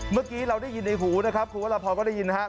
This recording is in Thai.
เมื่อกี้เราได้ยินในหูนะครับคุณวรพรก็ได้ยินนะครับ